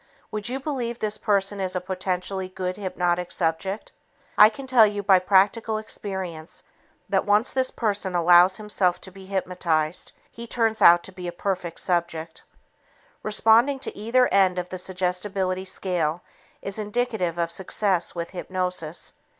Would you believe this person is a potentially good hypnotic subject? I can tell you by practical experience that once this person allows himself to be hypnotized, he turns out to be a perfect subject. Responding to either end of the suggestibility scale is indicative of success with hypnosis.